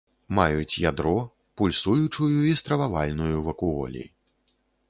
Маюць ядро, пульсуючую і стрававальную вакуолі.